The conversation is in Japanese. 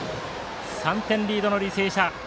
３点リードの履正社。